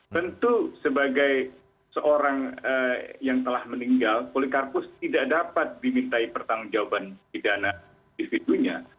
tentu sebagai seorang yang telah meninggal polikarpus tidak dapat dimintai pertanggung jawaban pidana individunya